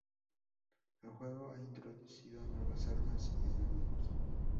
El juego ha introducido nuevas armas y enemigos.